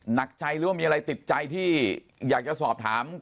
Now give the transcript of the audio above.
หนักใจหรือว่ามีอะไรติดใจที่อยากจะสอบถาม